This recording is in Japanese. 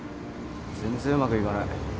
全然うまくいかない。